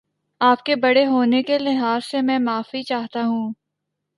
آپ کے بڑے ہونے کے لحاظ سے میں معافی چاہتا ہوں